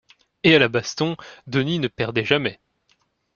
Et à la baston, Denis ne perdait jamais.